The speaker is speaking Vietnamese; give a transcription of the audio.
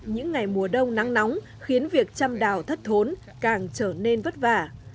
những ngày mùa đông nắng nóng khiến việc chăm đào thất thốn càng trở nên vất vả